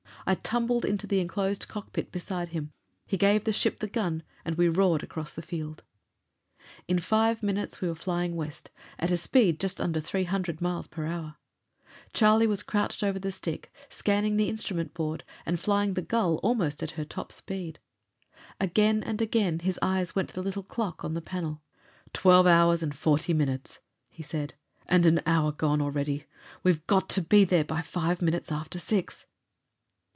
I tumbled into the enclosed cockpit beside him, he gave the ship the gun, and we roared across the field. In five minutes we were flying west, at a speed just under three hundred miles per hour. Charlie was crouched over the stick, scanning the instrument board, and flying the Gull almost at her top speed. Again and again his eyes went to the little clock on the panel. "Twelve hours and forty minutes," he said. "And an hour gone already! We're got to be there by five minutes after six."